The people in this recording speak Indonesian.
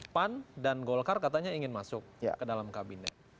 pan dan golkar katanya ingin masuk ke dalam kabinet